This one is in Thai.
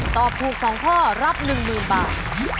ตอบถูก๒ข้อรับ๑๐๐๐บาท